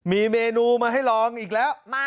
มีเมนูมาให้ลองอีกแล้ว